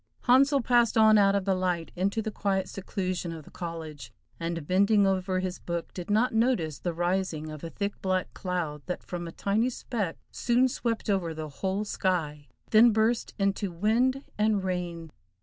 Handsel passed on out of the light into the quiet seclusion of the college, and bending over his book did not notice the rising of a thick, black cloud that from a tiny speck soon swept over the whole sky, then burst into wind and rain.